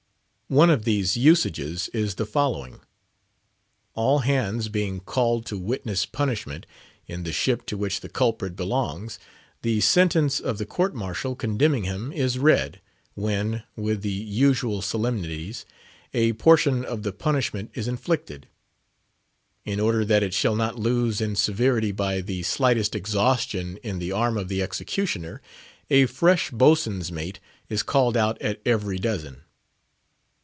One of these "usages" is the following: All hands being called "to witness punishment" in the ship to which the culprit belongs, the sentence of the court martial condemning him is read, when, with the usual solemnities, a portion of the punishment is inflicted. In order that it shall not lose in severity by the slightest exhaustion in the arm of the executioner, a fresh boatswain's mate is called out at every dozen.